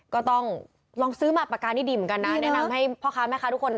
ก็ต้องลองซื้อมาปากกานี่ดีเหมือนกันนะแนะนำให้พ่อค้าแม่ค้าทุกคน